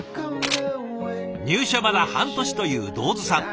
入社まだ半年という道頭さん。